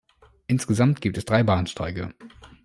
Insgesamt gibt es drei Bahnsteige.